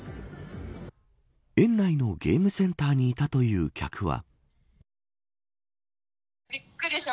園内のゲームセンターにいたという客は。